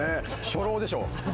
初老でしょ。